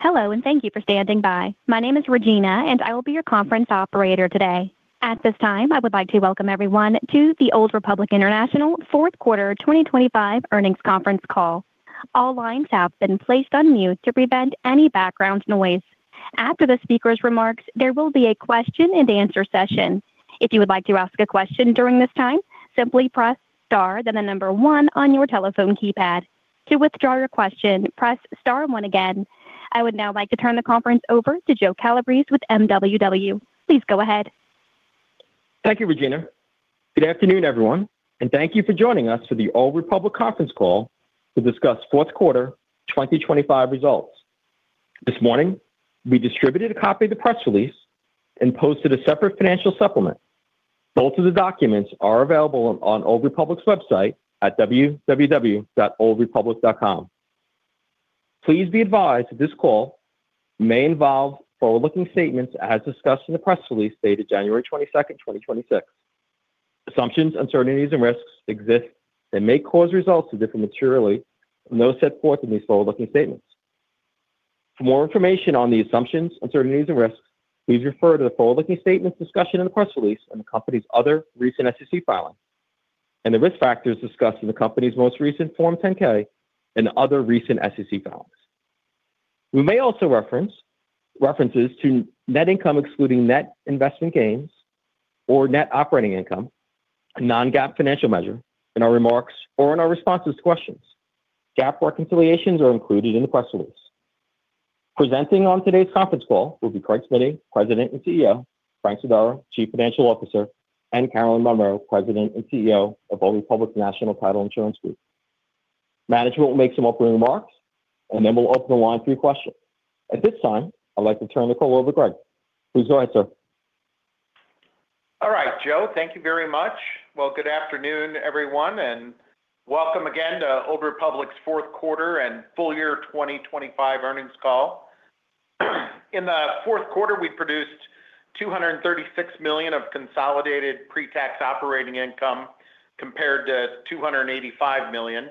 Hello, and thank you for standing by. My name is Regina, and I will be your conference operator today. At this time, I would like to welcome everyone to the Old Republic International Fourth Quarter 2025 Earnings Conference Call. All lines have been placed on mute to prevent any background noise. After the speaker's remarks, there will be a question-and-answer session. If you would like to ask a question during this time, simply press Star, then the number one on your telephone keypad. To withdraw your question, press Star one again. I would now like to turn the conference over to Joe Calabrese with MWW. Please go ahead. Thank you, Regina. Good afternoon, everyone, and thank you for joining us for the Old Republic Conference Call to discuss Fourth Quarter 2025 results. This morning, we distributed a copy of the press release and posted a separate financial supplement. Both of the documents are available on Old Republic's website at www.oldrepublic.com. Please be advised that this call may involve forward-looking statements as discussed in the press release dated 22nd January 2026. Assumptions, uncertainties, and risks exist that may cause results to differ materially from those set forth in these forward-looking statements. For more information on the assumptions, uncertainties, and risks, please refer to the forward-looking statements discussion in the press release and the company's other recent SEC filings, and the risk factors discussed in the company's most recent Form 10-K and other recent SEC filings. We may also reference to net income excluding net investment gains or net operating income, a non-GAAP financial measure, in our remarks or in our responses to questions. GAAP reconciliations are included in the press release. Presenting on today's conference call will be Craig Smiddy, President and CEO, Frank Sodaro, Chief Financial Officer, and Carolyn Monroe, President and CEO of Old Republic National Title Insurance Group. Management will make some opening remarks, and then we'll open the line for your questions. At this time, I'd like to turn the call over to Craig. Please go ahead, sir. All right, Joe, thank you very much. Well, good afternoon, everyone, and welcome again to Old Republic's fourth quarter and full-year 2025 earnings call. In the fourth quarter, we produced $236 million of consolidated pre-tax operating income compared to $285 million,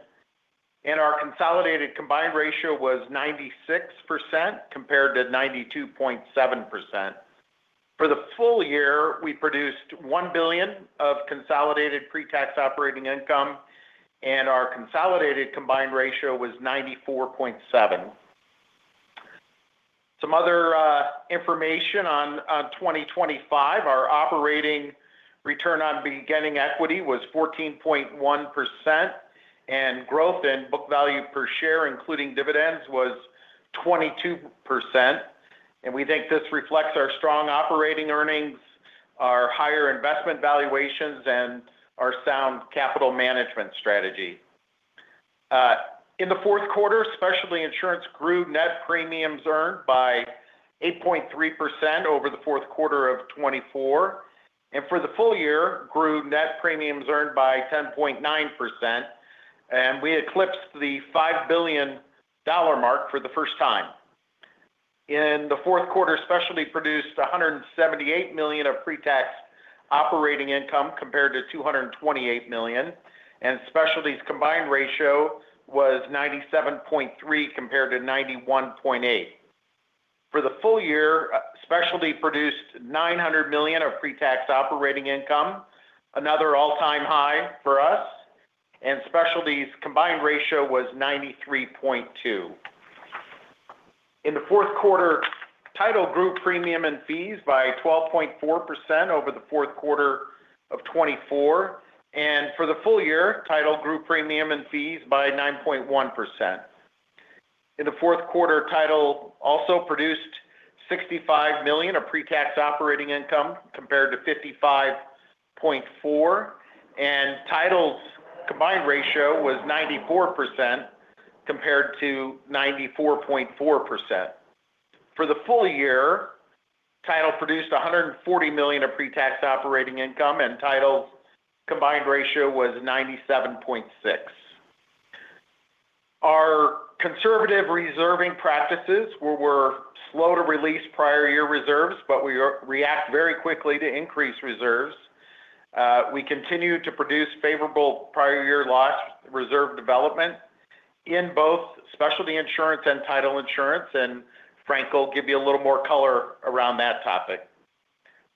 and our consolidated combined ratio was 96% compared to 92.7%. For the full-year, we produced $1 billion of consolidated pre-tax operating income, and our consolidated combined ratio was 94.7%. Some other information on 2025: our operating return on beginning equity was 14.1%, and growth in book value per share, including dividends, was 22%. And we think this reflects our strong operating earnings, our higher investment valuations, and our sound capital management strategy. In the fourth quarter, specialty insurance grew net premiums earned by 8.3% over the fourth quarter of 2024, and for the full-year, grew net premiums earned by 10.9%, and we eclipsed the $5 billion mark for the first time. In the fourth quarter, specialty produced $178 million of pre-tax operating income compared to $228 million, and specialty's combined ratio was 97.3 compared to 91.8. For the full-year, specialty produced $900 million of pre-tax operating income, another all-time high for us, and specialty's combined ratio was 93.2. In the fourth quarter, title grew premium and fees by 12.4% over the fourth quarter of 2024, and for the full-year, title grew premium and fees by 9.1%. In the fourth quarter, title also produced $65 million of pre-tax operating income compared to $55.4 million, and title's combined ratio was 94% compared to 94.4%. For the full-year, title produced $140 million of pre-tax operating income, and title's combined ratio was 97.6. Our conservative reserving practices were slow to release prior-year reserves, but we react very quickly to increase reserves. We continue to produce favorable prior-year loss reserve development in both specialty insurance and title insurance, and Frank will give you a little more color around that topic.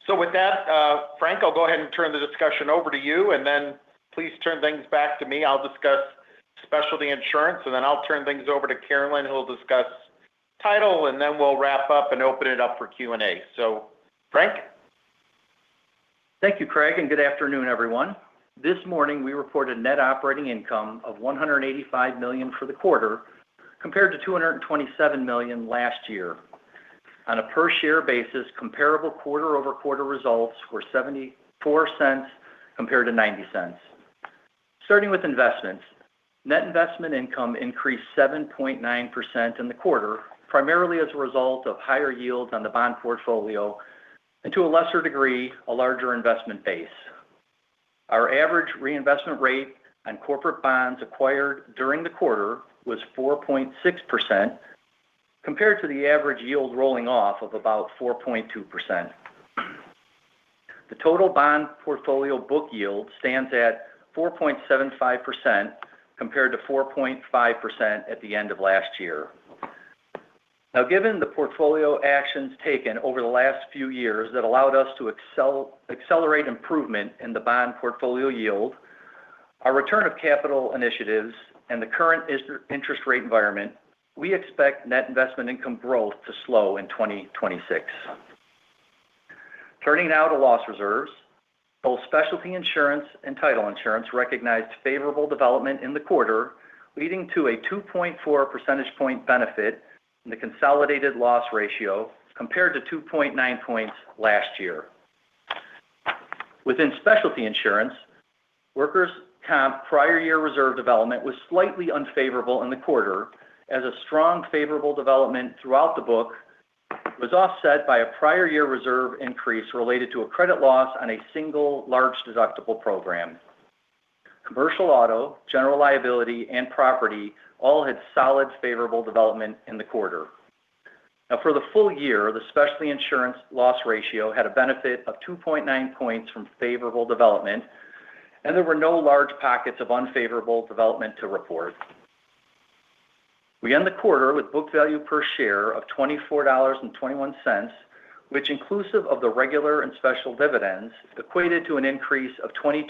So with that, Frank, I'll go ahead and turn the discussion over to you, and then please turn things back to me. I'll discuss specialty insurance, and then I'll turn things over to Carolyn, who'll discuss title, and then we'll wrap up and open it up for Q&A. So, Frank? Thank you, Craig, and good afternoon, everyone. This morning, we reported net operating income of $185 million for the quarter compared to $227 million last year. On a per-share basis, comparable quarter-over-quarter results were $0.74 compared to $0.90. Starting with investments, net investment income increased 7.9% in the quarter, primarily as a result of higher yields on the bond portfolio and, to a lesser degree, a larger investment base. Our average reinvestment rate on corporate bonds acquired during the quarter was 4.6% compared to the average yield rolling off of about 4.2%. The total bond portfolio book yield stands at 4.75% compared to 4.5% at the end of last year. Now, given the portfolio actions taken over the last few years that allowed us to accelerate improvement in the bond portfolio yield, our return of capital initiatives, and the current interest rate environment, we expect net investment income growth to slow in 2026. Turning now to loss reserves, both specialty insurance and title insurance recognized favorable development in the quarter, leading to a 2.4 percentage point benefit in the consolidated loss ratio compared to 2.9 points last year. Within specialty insurance, workers' comp prior year reserve development was slightly unfavorable in the quarter, as a strong favorable development throughout the book was offset by a prior-year reserve increase related to a credit loss on a single large deductible program. Commercial auto, general liability, and property all had solid favorable development in the quarter. Now, for the full-year, the specialty insurance loss ratio had a benefit of 2.9 points from favorable development, and there were no large pockets of unfavorable development to report. We end the quarter with book value per share of $24.21, which, inclusive of the regular and special dividends, equated to an increase of 22%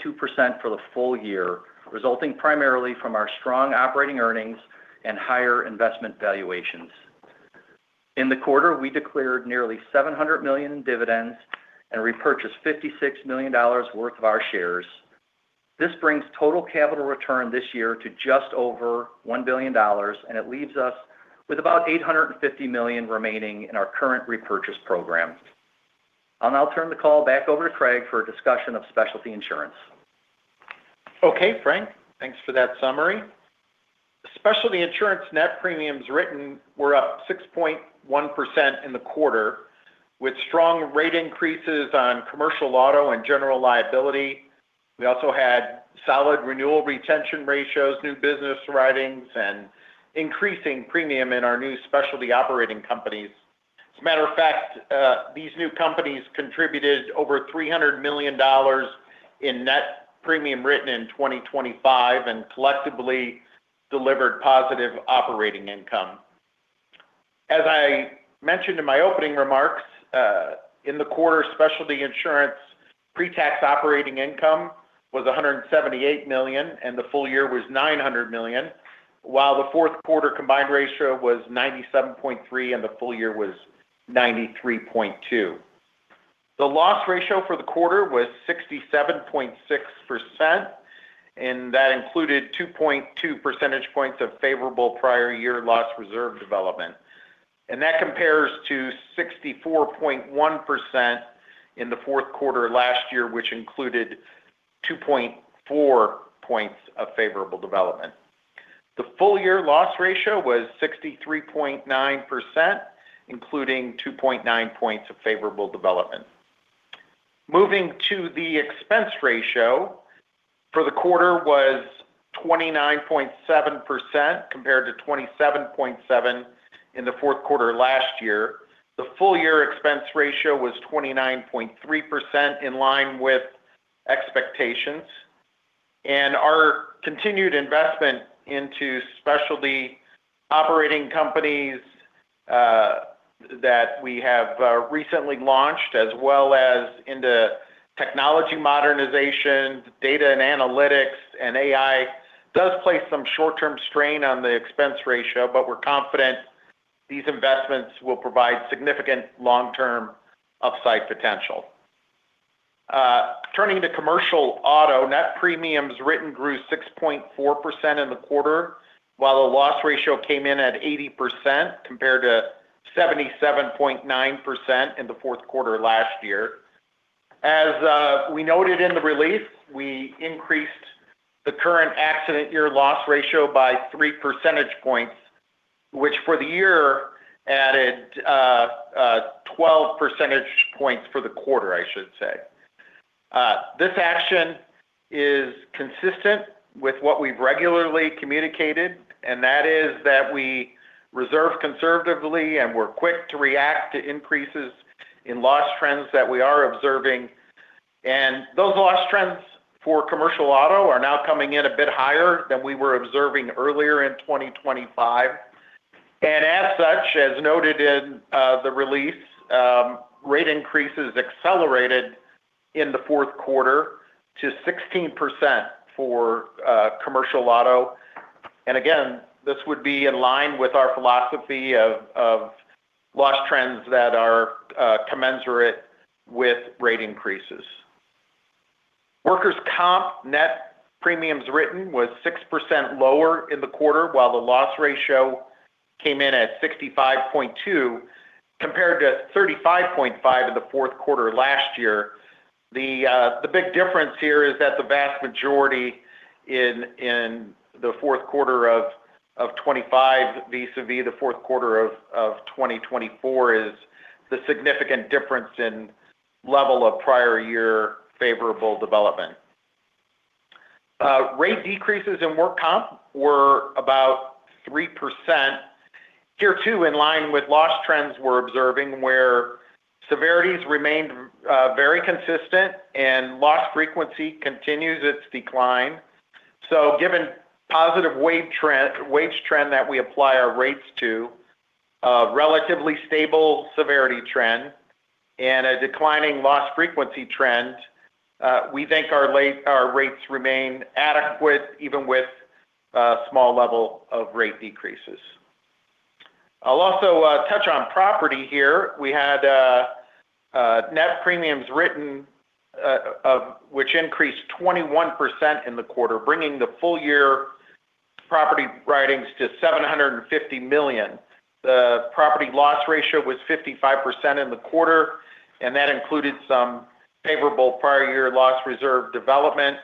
for the full-year, resulting primarily from our strong operating earnings and higher investment valuations. In the quarter, we declared nearly $700 million in dividends and repurchased $56 million worth of our shares. This brings total capital return this year to just over $1 billion, and it leaves us with about $850 million remaining in our current repurchase program. I'll now turn the call back over to Craig for a discussion of specialty insurance. Okay, Frank, thanks for that summary. Specialty insurance net premiums written were up 6.1% in the quarter, with strong rate increases on commercial auto and general liability. We also had solid renewal retention ratios, new business writings, and increasing premium in our new specialty operating companies. As a matter of fact, these new companies contributed over $300 million in net premium written in 2025 and collectively delivered positive operating income. As I mentioned in my opening remarks, in the quarter, specialty insurance pre-tax operating income was $178 million, and the full-year was $900 million, while the fourth quarter combined ratio was 97.3, and the full-year was 93.2. The loss ratio for the quarter was 67.6%, and that included 2.2 percentage points of favorable prior year loss reserve development, and that compares to 64.1% in the fourth quarter last year, which included 2.4 points of favorable development. The full-year loss ratio was 63.9%, including 2.9 points of favorable development. Moving to the expense ratio, for the quarter was 29.7 compared to 27.7% in the fourth quarter last year. The full year expense ratio was 29.3%, in line with expectations, and our continued investment into specialty operating companies that we have recently launched, as well as into technology modernization, data and analytics, and AI, does place some short-term strain on the expense ratio, but we're confident these investments will provide significant long-term upside potential. Turning to commercial auto, net premiums written grew 6.4% in the quarter, while the loss ratio came in at 80 compared to 77.9% in the fourth quarter last year. As we noted in the release, we increased the current accident year loss ratio by 3 percentage points, which for the year added 12 percentage points for the quarter, I should say. This action is consistent with what we've regularly communicated, and that is that we reserve conservatively and we're quick to react to increases in loss trends that we are observing. And those loss trends for commercial auto are now coming in a bit higher than we were observing earlier in 2025. And as such, as noted in the release, rate increases accelerated in the fourth quarter to 16% for commercial auto. And again, this would be in line with our philosophy of loss trends that are commensurate with rate increases. Workers' comp net premiums written was 6% lower in the quarter, while the loss ratio came in at 65.2 compared to 35.5 in the fourth quarter last year. The big difference here is that the vast majority in the fourth quarter of 2025 vis-à-vis the fourth quarter of 2024 is the significant difference in level of prior-year favorable development. Rate decreases in work comp were about 3%. Here, too, in line with loss trends we're observing, where severities remained very consistent and loss frequency continues its decline. So given positive wage trend that we apply our rates to, a relatively stable severity trend, and a declining loss frequency trend, we think our rates remain adequate even with a small level of rate decreases. I'll also touch on property here. We had net premiums written which increased 21% in the quarter, bringing the full-year property writings to $750 million. The property loss ratio was 55% in the quarter, and that included some favorable prior-year loss reserve development.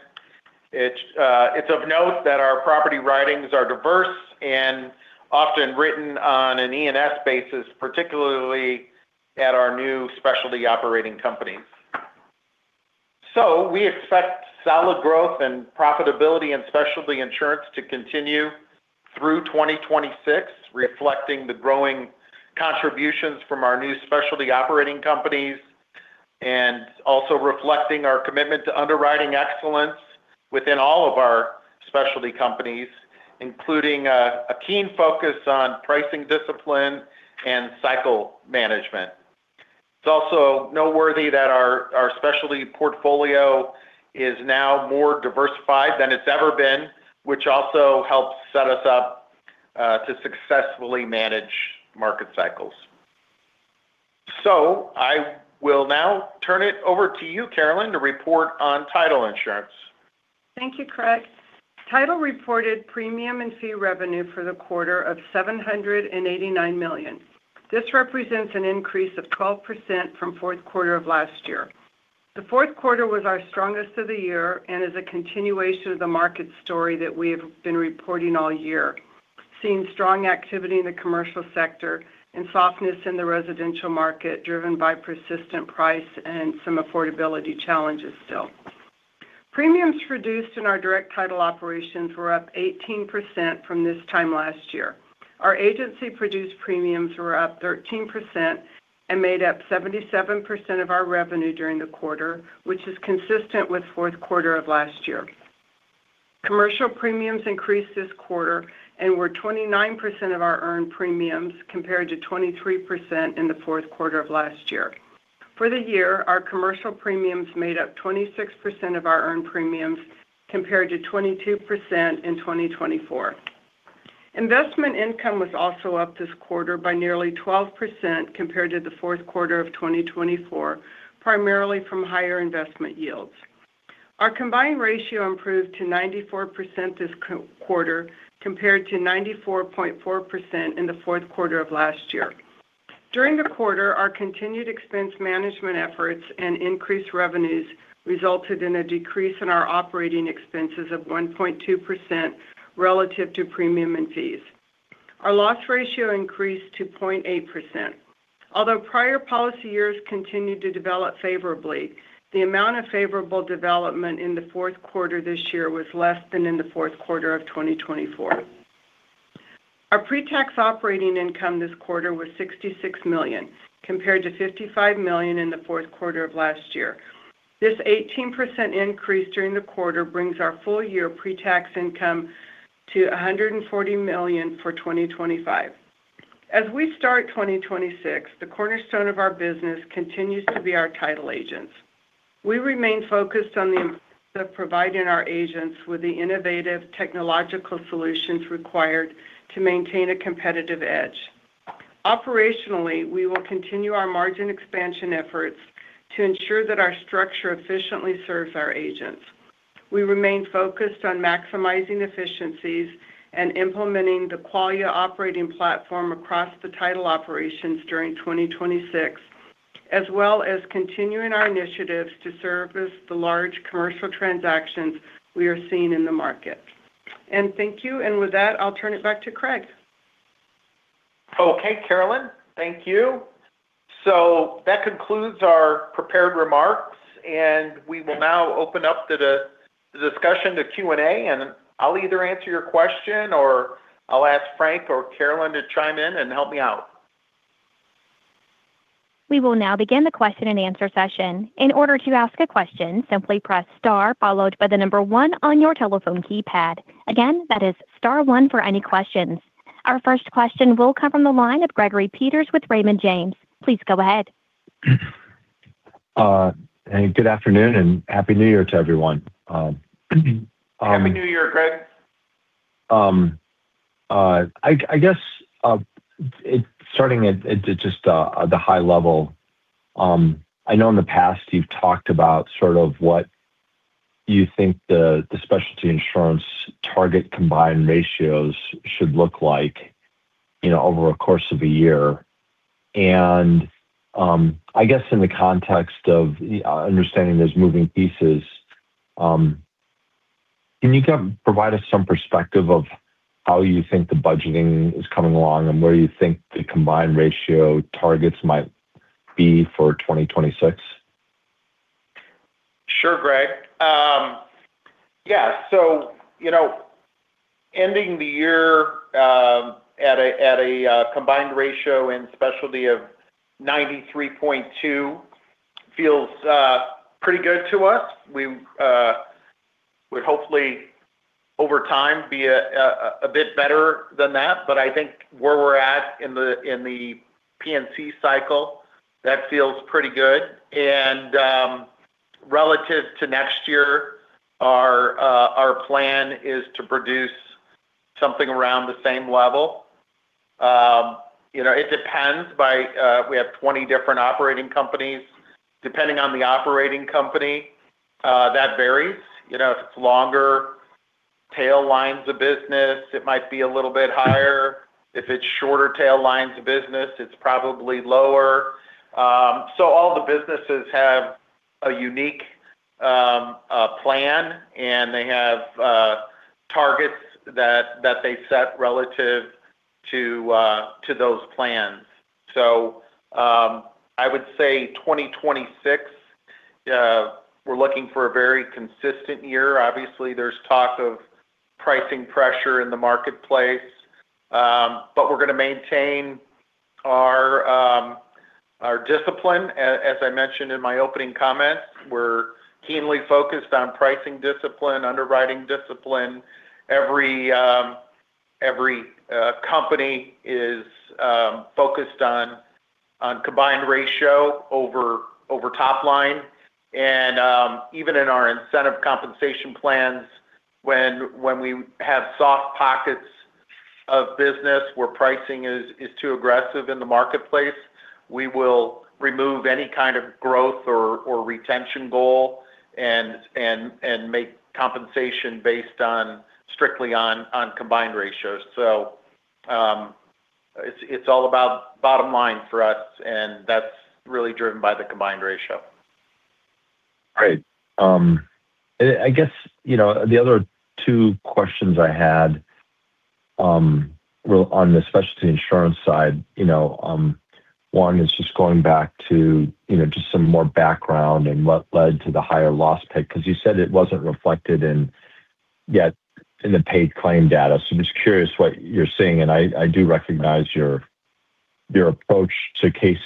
It's of note that our property writings are diverse and often written on an E&S basis, particularly at our new specialty operating companies. We expect solid growth and profitability in specialty insurance to continue through 2026, reflecting the growing contributions from our new specialty operating companies and also reflecting our commitment to underwriting excellence within all of our specialty companies, including a keen focus on pricing discipline and cycle management. It's also noteworthy that our specialty portfolio is now more diversified than it's ever been, which also helps set us up to successfully manage market cycles. I will now turn it over to you, Carolyn, to report on title insurance. Thank you, Craig. Title reported premium and fee revenue for the quarter of $789 million. This represents an increase of 12% from fourth quarter of last year. The fourth quarter was our strongest of the year and is a continuation of the market story that we have been reporting all year, seeing strong activity in the commercial sector and softness in the residential market driven by persistent price and some affordability challenges still. Premiums produced in our direct title operations were up 18% from this time last year. Our agency-produced premiums were up 13% and made up 77% of our revenue during the quarter, which is consistent with fourth quarter of last year. Commercial premiums increased this quarter and were 29% of our earned premiums compared to 23% in the fourth quarter of last year. For the year, our commercial premiums made up 26% of our earned premiums compared to 22% in 2024. Investment income was also up this quarter by nearly 12% compared to the fourth quarter of 2024, primarily from higher investment yields. Our combined ratio improved to 94% this quarter compared to 94.4% in the fourth quarter of last year. During the quarter, our continued expense management efforts and increased revenues resulted in a decrease in our operating expenses of 1.2% relative to premium and fees. Our loss ratio increased to 0.8%. Although prior policy years continued to develop favorably, the amount of favorable development in the fourth quarter this year was less than in the fourth quarter of 2024. Our pre-tax operating income this quarter was $66 million compared to $55 million in the fourth quarter of last year. This 18% increase during the quarter brings our full year pre-tax income to $140 million for 2025. As we start 2026, the cornerstone of our business continues to be our title agents. We remain focused on the importance of providing our agents with the innovative technological solutions required to maintain a competitive edge. Operationally, we will continue our margin expansion efforts to ensure that our structure efficiently serves our agents. We remain focused on maximizing efficiencies and implementing the Qualia operating platform across the title operations during 2026, as well as continuing our initiatives to service the large commercial transactions we are seeing in the market. And thank you. And with that, I'll turn it back to Craig. Okay, Carolyn, thank you. So that concludes our prepared remarks, and we will now open up the discussion to Q&A, and I'll either answer your question or I'll ask Frank or Carolyn to chime in and help me out. We will now begin the question and answer session. In order to ask a question, simply press star followed by the number one on your telephone keypad. Again, that is star one for any questions. Our first question will come from the line of Gregory Peters with Raymond James. Please go ahead. Hey, good afternoon and happy New Year to everyone. Happy New Year, Greg. I guess starting at just the high level, I know in the past you've talked about sort of what you think the specialty insurance target combined ratios should look like over a course of a year, and I guess in the context of understanding those moving pieces, can you provide us some perspective of how you think the budgeting is coming along and where you think the combined ratio targets might be for 2026? Sure, Greg. Yeah. So ending the year at a combined ratio in specialty of 93.2 feels pretty good to us. We would hopefully, over time, be a bit better than that, but I think where we're at in the P&C cycle, that feels pretty good. And relative to next year, our plan is to produce something around the same level. It depends. We have 20 different operating companies. Depending on the operating company, that varies. If it's longer tail lines of business, it might be a little bit higher. If it's shorter tail lines of business, it's probably lower. So all the businesses have a unique plan, and they have targets that they set relative to those plans. So I would say 2026, we're looking for a very consistent year. Obviously, there's talk of pricing pressure in the marketplace, but we're going to maintain our discipline. As I mentioned in my opening comments, we're keenly focused on pricing discipline, underwriting discipline. Every company is focused on combined ratio over top line. And even in our incentive compensation plans, when we have soft pockets of business where pricing is too aggressive in the marketplace, we will remove any kind of growth or retention goal and make compensation based strictly on combined ratios. So it's all about bottom line for us, and that's really driven by the combined ratio. Great. I guess the other two questions I had on the specialty insurance side, one, is just going back to just some more background and what led to the higher loss pick because you said it wasn't reflected yet in the paid claim data. So I'm just curious what you're seeing, and I do recognize your approach to case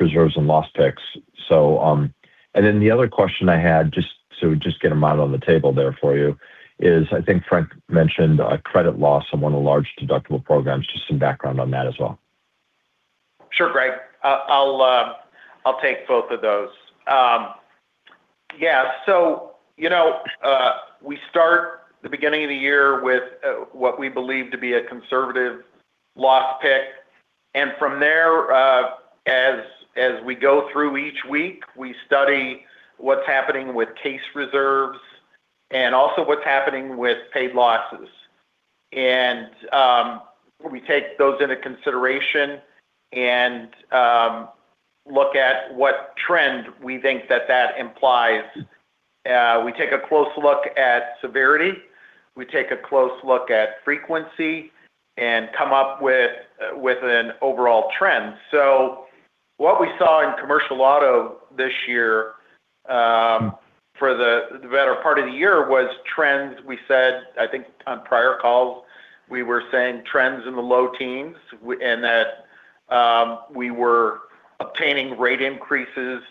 reserves and loss picks. And then the other question I had, just so we just get a model on the table there for you, is I think Frank mentioned a credit loss on one of the large deductible programs. Just some background on that as well. Sure, Greg. I'll take both of those. Yeah, so we start the beginning of the year with what we believe to be a conservative loss pick, and from there, as we go through each week, we study what's happening with case reserves and also what's happening with paid losses. And we take those into consideration and look at what trend we think that that implies. We take a close look at severity. We take a close look at frequency and come up with an overall trend, so what we saw in commercial auto this year for the better part of the year was trends. We said, I think on prior-calls, we were saying trends in the low teens and that we were obtaining rate increases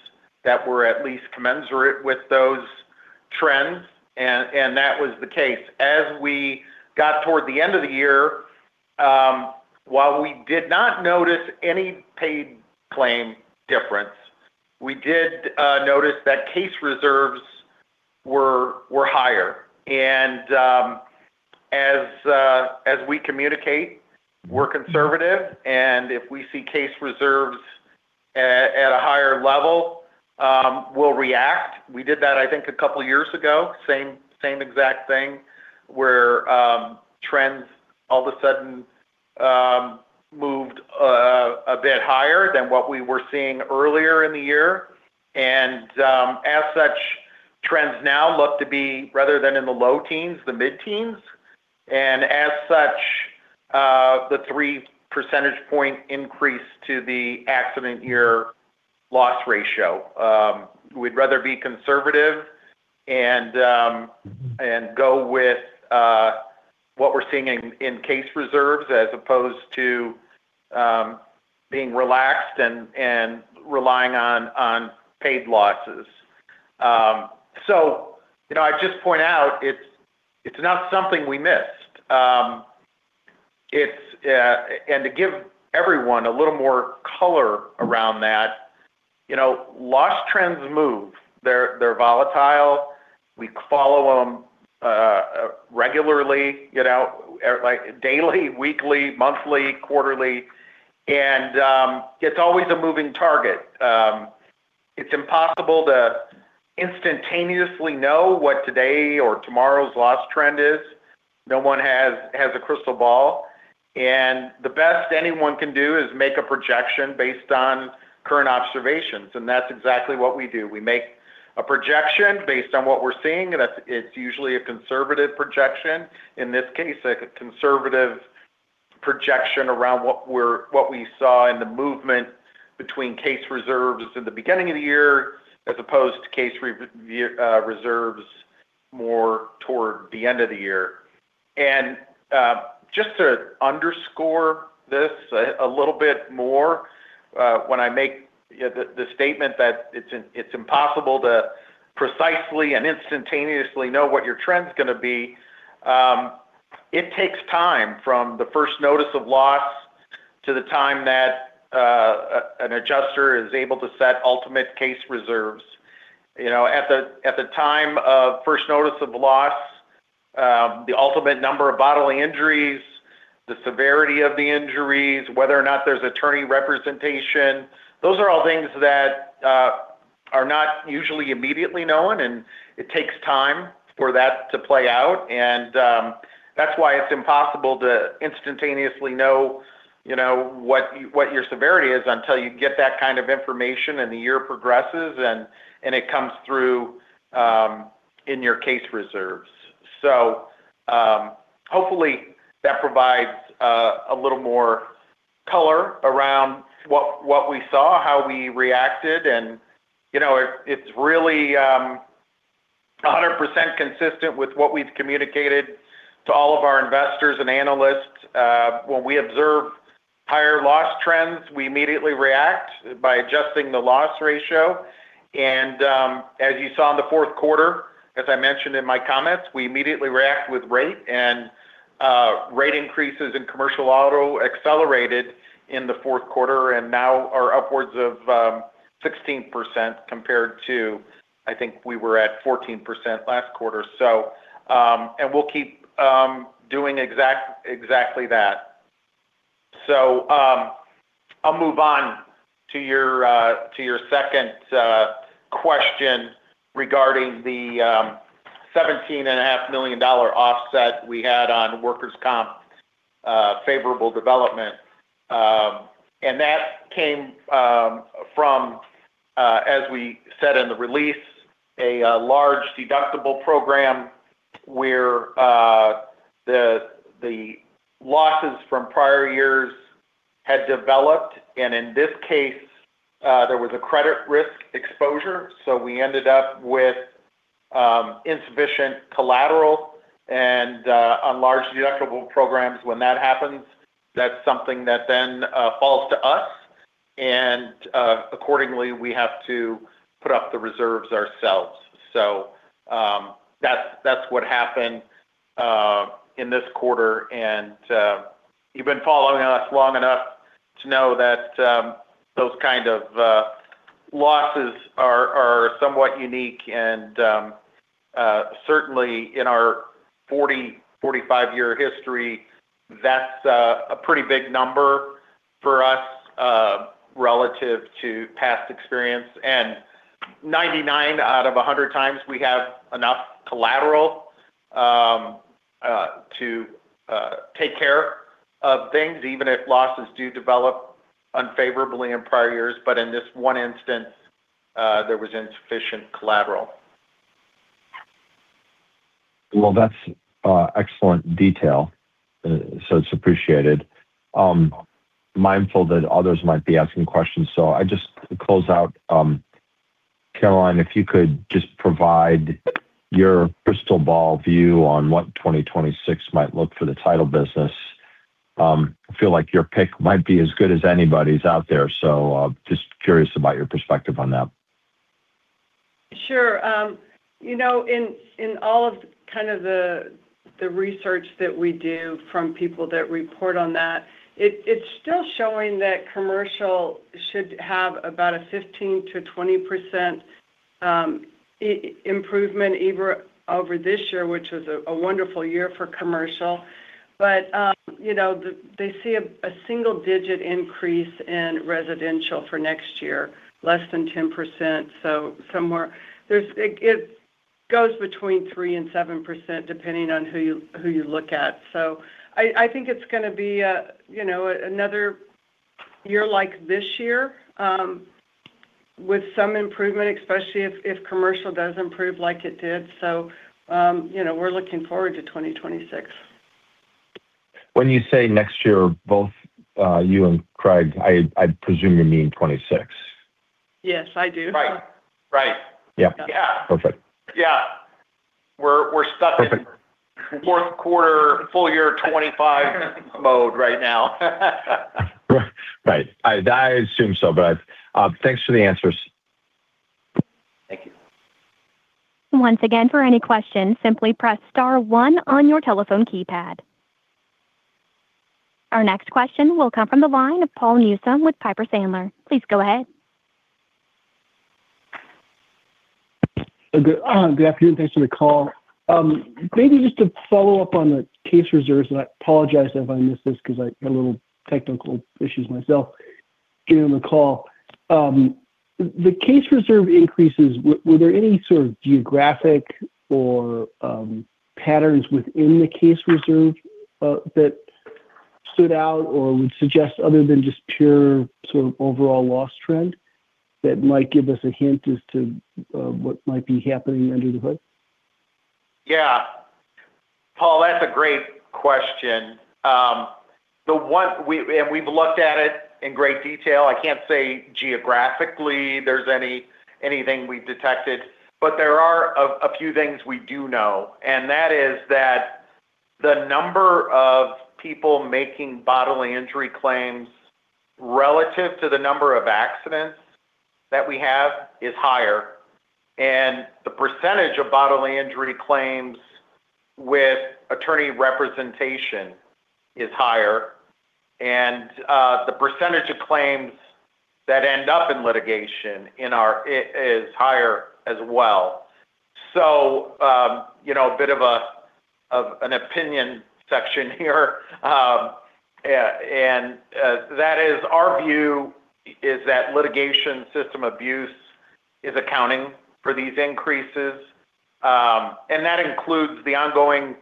that were at least commensurate with those trends, and that was the case. As we got toward the end of the year, while we did not notice any paid claim difference, we did notice that case reserves were higher. And as we communicate, we're conservative, and if we see case reserves at a higher level, we'll react. We did that, I think, a couple of years ago, same exact thing where trends all of a sudden moved a bit higher than what we were seeing earlier in the year. And as such, trends now look to be rather than in the low teens, the mid-teens. And as such, the three percentage point increase to the accident year loss ratio. We'd rather be conservative and go with what we're seeing in case reserves as opposed to being relaxed and relying on paid losses. So I just point out, it's not something we missed. To give everyone a little more color around that, loss trends move. They're volatile. We follow them regularly, daily, weekly, monthly, quarterly. It's always a moving target. It's impossible to instantaneously know what today or tomorrow's loss trend is. No one has a crystal ball. The best anyone can do is make a projection based on current observations. That's exactly what we do. We make a projection based on what we're seeing. It's usually a conservative projection. In this case, a conservative projection around what we saw in the movement between case reserves in the beginning of the year as opposed to case reserves more toward the end of the year. And just to underscore this a little bit more, when I make the statement that it's impossible to precisely and instantaneously know what your trend's going to be, it takes time from the first notice of loss to the time that an adjuster is able to set ultimate case reserves. At the time of first notice of loss, the ultimate number of bodily injuries, the severity of the injuries, whether or not there's attorney representation, those are all things that are not usually immediately known, and it takes time for that to play out. And that's why it's impossible to instantaneously know what your severity is until you get that kind of information and the year progresses and it comes through in your case reserves. So hopefully, that provides a little more color around what we saw, how we reacted. It's really 100% consistent with what we've communicated to all of our investors and analysts. When we observe higher loss trends, we immediately react by adjusting the loss ratio. As you saw in the fourth quarter, as I mentioned in my comments, we immediately react with rate. Rate increases in commercial auto accelerated in the fourth quarter and now are upwards of 16% compared to, I think we were at 14% last quarter. We'll keep doing exactly that. I'll move on to your second question regarding the $17.5 million offset we had on workers' comp favorable development. That came from, as we said in the release, a large deductible program where the losses from prior years had developed. In this case, there was a credit risk exposure. We ended up with insufficient collateral. And on large deductible programs, when that happens, that's something that then falls to us. And accordingly, we have to put up the reserves ourselves. So that's what happened in this quarter. And you've been following us long enough to know that those kind of losses are somewhat unique. And certainly, in our 40 to 45-year history, that's a pretty big number for us relative to past experience. And 99 out of 100x, we have enough collateral to take care of things, even if losses do develop unfavorably in prior years. But in this one instance, there was insufficient collateral. That's excellent detail. So it's appreciated. Mindful that others might be asking questions. So I just close out. Carolyn, if you could just provide your crystal ball view on what 2026 might look for the title business. I feel like your pick might be as good as anybody's out there. So just curious about your perspective on that. Sure. In all of kind of the research that we do from people that report on that, it's still showing that commercial should have about a 15-20% improvement over this year, which was a wonderful year for commercial. But they see a single-digit increase in residential for next year, less than 10%. So it goes between 3 and 7% depending on who you look at. So I think it's going to be another year like this year with some improvement, especially if commercial does improve like it did. So we're looking forward to 2026. When you say next year, both you and Craig, I presume you mean 2026. Yes, I do. Yeah. Perfect. Yeah. We're stuck in fourth quarter, full year 2025 mode right now. Right. I assume so, but thanks for the answers. Thank you. Once again, for any questions, simply press star one on your telephone keypad. Our next question will come from the line of Paul Newsome with Piper Sandler. Please go ahead. Good afternoon. Thanks for the call. Maybe just to follow up on the case reserves, and I apologize if I missed this because I had a little technical issues myself getting on the call. The case reserve increases, were there any sort of geographic or patterns within the case reserve that stood out or would suggest, other than just pure sort of overall loss trend, that might give us a hint as to what might be happening under the hood? Yeah. Paul, that's a great question. And we've looked at it in great detail. I can't say geographically there's anything we've detected, but there are a few things we do know. And that is that the number of people making bodily injury claims relative to the number of accidents that we have is higher. And the percentage of bodily injury claims with attorney representation is higher. And the percentage of claims that end up in litigation is higher as well. So a bit of an opinion section here. And that is our view is that litigation, system abuse is accounting for these increases. And that includes the ongoing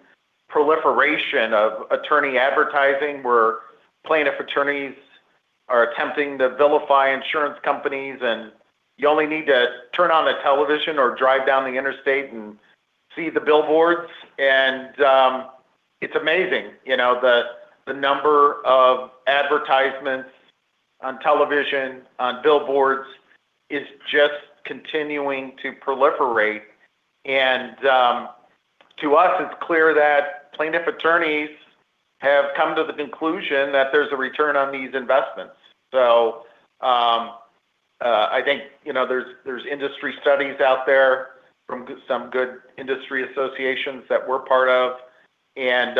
proliferation of attorney advertising where plaintiff attorneys are attempting to vilify insurance companies. And you only need to turn on the television or drive down the interstate and see the billboards. And it's amazing. The number of advertisements on television, on billboards is just continuing to proliferate, and to us, it's clear that plaintiff attorneys have come to the conclusion that there's a return on these investments, so I think there's industry studies out there from some good industry associations that we're part of, and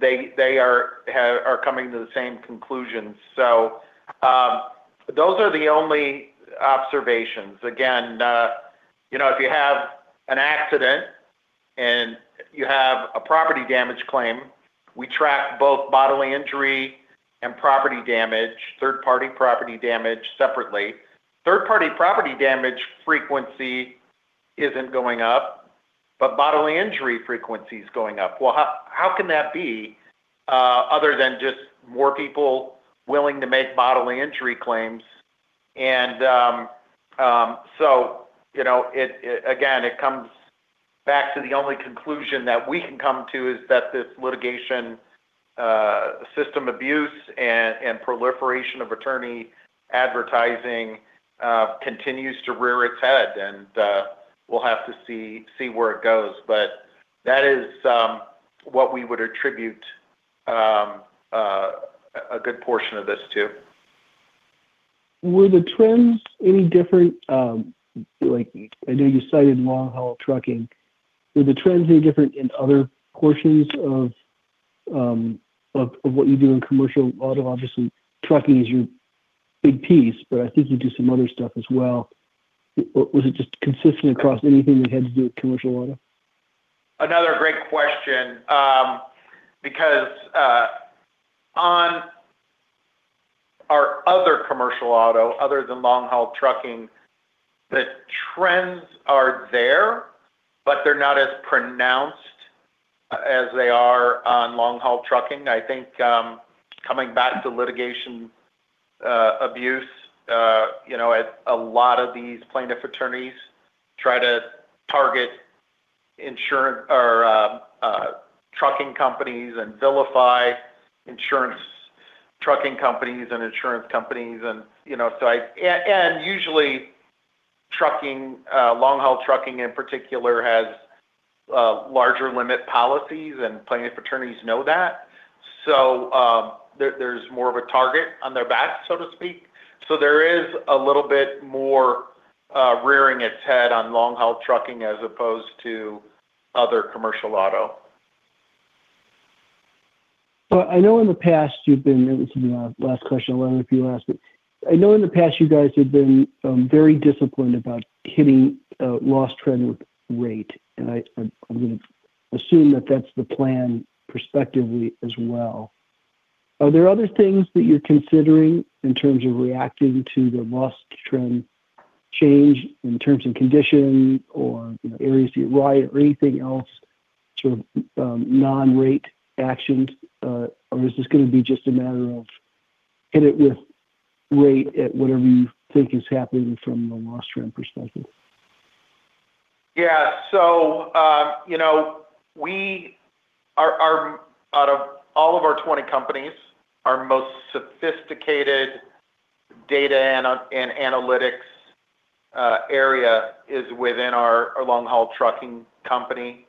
they are coming to the same conclusions, so those are the only observations. Again, if you have an accident and you have a property damage claim, we track both bodily injury and property damage, third-party property damage separately. Third-party property damage frequency isn't going up, but bodily injury frequency is going up, well, how can that be other than just more people willing to make bodily injury claims, and so again, it comes back to the only conclusion that we can come to is that this litigation, system abuse, and proliferation of attorney advertising continues to rear its head. We'll have to see where it goes. That is what we would attribute a good portion of this to. Were the trends any different? I know you cited long-haul trucking. Were the trends any different in other portions of what you do in commercial auto? Obviously, trucking is your big piece, but I think you do some other stuff as well. Was it just consistent across anything that had to do with commercial auto? Another great question. Because on our other commercial auto, other than long-haul trucking, the trends are there, but they're not as pronounced as they are on long-haul trucking. I think coming back to litigation abuse, a lot of these plaintiff attorneys try to target trucking companies and vilify trucking companies and insurance companies. And usually, long-haul trucking in particular has larger limit policies, and plaintiff attorneys know that. So there's more of a target on their back, so to speak. So there is a little bit more rearing its head on long-haul trucking as opposed to other commercial auto. So, I know in the past you've been. That was the last question. I don't know if you asked it. I know in the past you guys have been very disciplined about hitting loss trend rate. And I'm going to assume that that's the plan prospectively as well. Are there other things that you're considering in terms of reacting to the loss trend change in terms of conditions or areas that you write or anything else sort of non-rate actions? Or is this going to be just a matter of hit it with rate at whatever you think is happening from the loss trend perspective? Yeah. So out of all of our 20 companies, our most sophisticated data and analytics area is within our long-haul trucking company.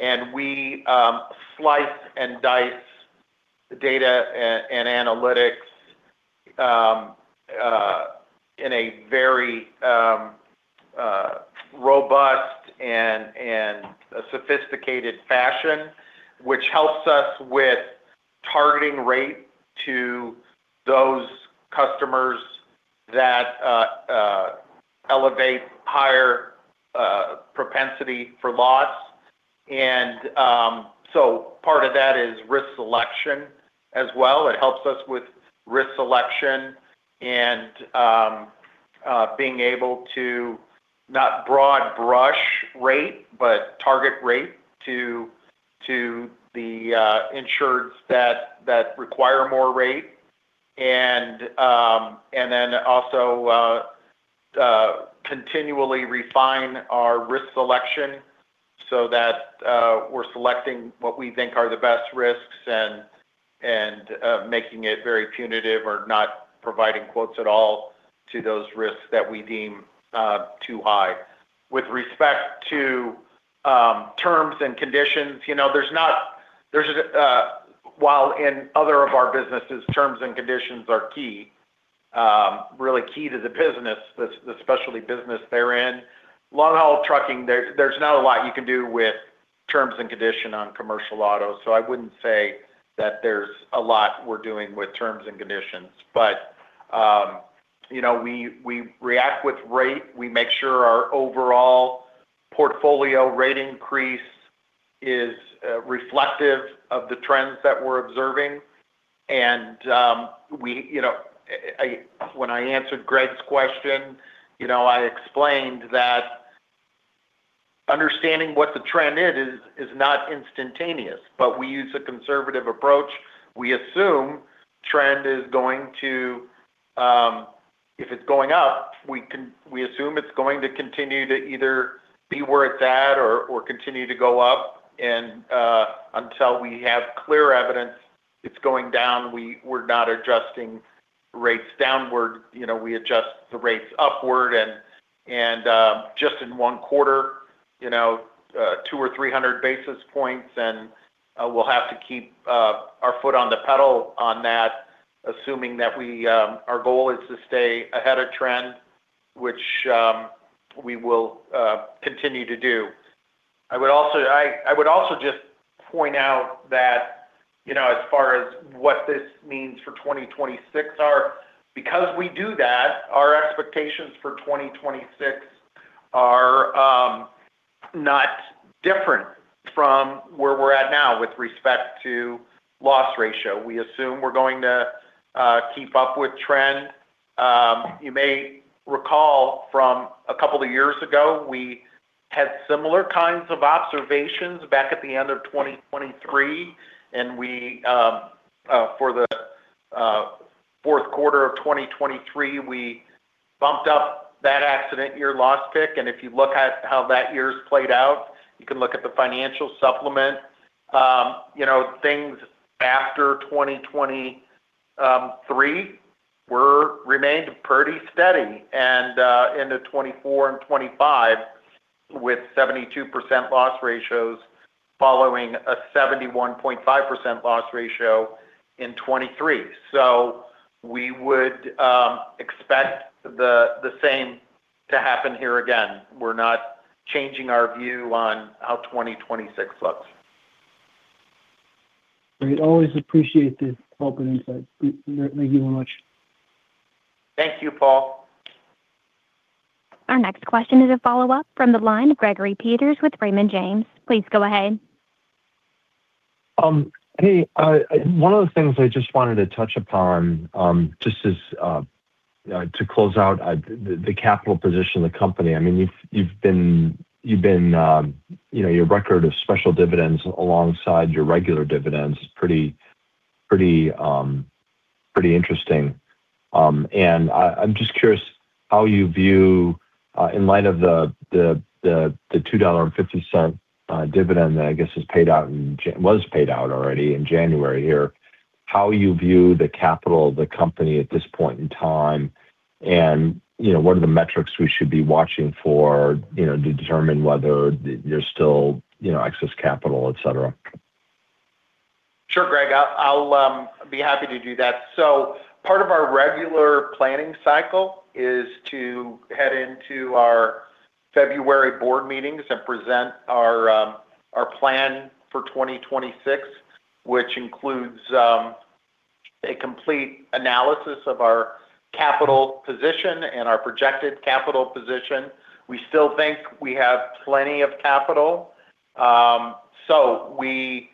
And we slice and dice data and analytics in a very robust and sophisticated fashion, which helps us with targeting rate to those customers that elevate higher propensity for loss. And so part of that is risk selection as well. It helps us with risk selection and being able to not broad brush rate, but target rate to the insureds that require more rate. And then also continually refine our risk selection so that we're selecting what we think are the best risks and making it very punitive or not providing quotes at all to those risks that we deem too high. With respect to terms and conditions, there's not, while in other of our businesses, terms and conditions are really key to the business, the specialty business they're in. Long-haul trucking, there's not a lot you can do with terms and conditions on commercial auto, so I wouldn't say that there's a lot we're doing with terms and conditions, but we react with rate. We make sure our overall portfolio rate increase is reflective of the trends that we're observing, and when I answered Greg's question, I explained that understanding what the trend is is not instantaneous, but we use a conservative approach. We assume trend is going to, if it's going up, we assume it's going to continue to either be where it's at or continue to go up, and until we have clear evidence it's going down, we're not adjusting rates downward, we adjust the rates upward. And just in one quarter, 200 or 300 basis points. And we'll have to keep our foot on the pedal on that, assuming that our goal is to stay ahead of trend, which we will continue to do. I would also just point out that as far as what this means for 2026, because we do that, our expectations for 2026 are not different from where we're at now with respect to loss ratio. We assume we're going to keep up with trend. You may recall from a couple of years ago, we had similar kinds of observations back at the end of 2023. And for the fourth quarter of 2023, we bumped up that accident year loss pick. And if you look at how that year's played out, you can look at the financial supplement. Things after 2023 remained pretty steady. And into 2024 and 2025, with 72% loss ratios following a 71.5% loss ratio in 2023. So we would expect the same to happen here again. We're not changing our view on how 2026 looks. Great. Always appreciate the help and insight. Thank you very much. Thank you, Paul. Our next question is a follow-up from the line of Gregory Peters with Raymond James. Please go ahead. Hey, one of the things I just wanted to touch upon just to close out the capital position of the company. I mean, you've been, your record of special dividends alongside your regular dividends is pretty interesting, and I'm just curious how you view, in light of the $2.50 dividend that I guess was paid out already in January here, how you view the capital of the company at this point in time, and what are the metrics we should be watching for to determine whether there's still excess capital, etc.? Sure, Greg. I'll be happy to do that. So part of our regular planning cycle is to head into our February board meetings and present our plan for 2026, which includes a complete analysis of our capital position and our projected capital position. We still think we have plenty of capital. So we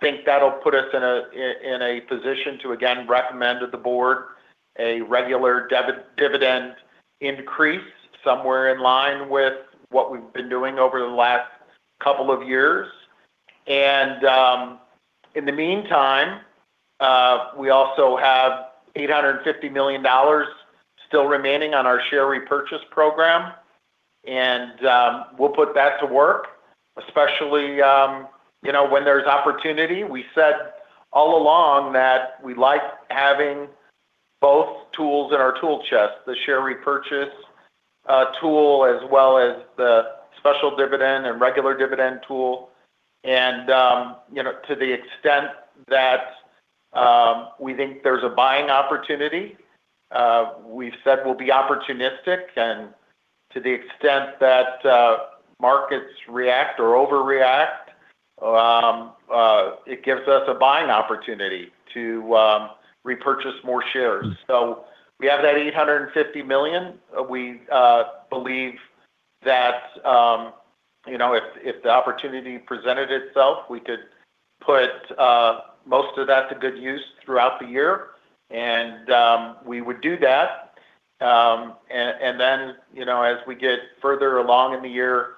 think that'll put us in a position to, again, recommend to the board a regular dividend increase somewhere in line with what we've been doing over the last couple of years. And in the meantime, we also have $850 million still remaining on our share repurchase program. And we'll put that to work, especially when there's opportunity. We said all along that we like having both tools in our tool chest, the share repurchase tool as well as the special dividend and regular dividend tool. To the extent that we think there's a buying opportunity, we've said we'll be opportunistic, and to the extent that markets react or overreact, it gives us a buying opportunity to repurchase more shares. So we have that $850 million. We believe that if the opportunity presented itself, we could put most of that to good use throughout the year, and we would do that. And then as we get further along in the year,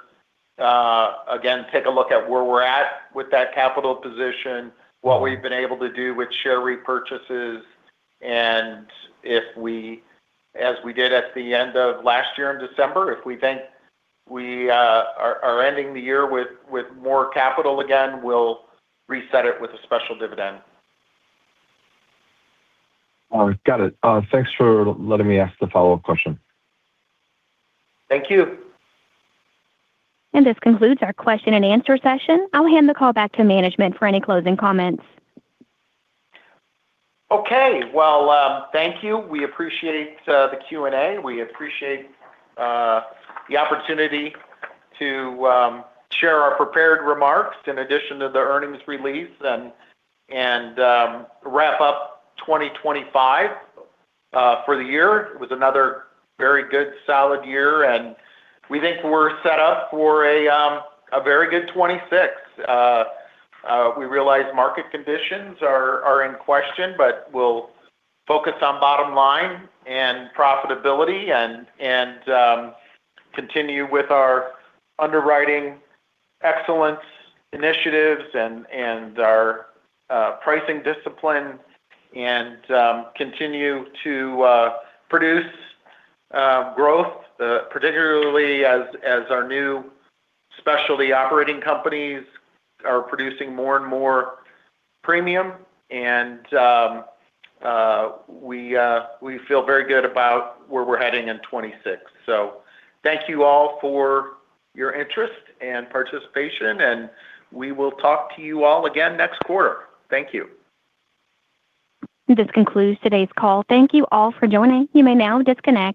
again, take a look at where we're at with that capital position, what we've been able to do with share repurchases. And as we did at the end of last year in December, if we think we are ending the year with more capital again, we'll reset it with a special dividend. All right. Got it. Thanks for letting me ask the follow-up question. Thank you. This concludes our question and answer session. I'll hand the call back to management for any closing comments. Okay, well, thank you. We appreciate the Q&A. We appreciate the opportunity to share our prepared remarks in addition to the earnings release and wrap up 2025 for the year. It was another very good solid year, and we think we're set up for a very good 2026. We realize market conditions are in question, but we'll focus on bottom line and profitability and continue with our underwriting excellence initiatives and our pricing discipline and continue to produce growth, particularly as our new specialty operating companies are producing more and more premium, and we feel very good about where we're heading in 2026, so thank you all for your interest and participation, and we will talk to you all again next quarter. Thank you. This concludes today's call. Thank you all for joining. You may now disconnect.